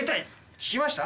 聞きました？